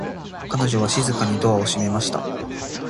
彼女は静かにドアを閉めました。